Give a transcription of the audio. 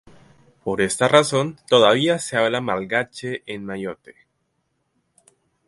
Por esta razón, todavía se habla malgache en Mayotte.